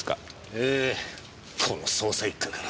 ええこの捜査一課から。